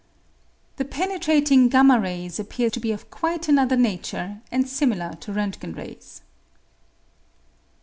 The penetrating y rays appear to be of quite another nature, and similar to Rontgen rays.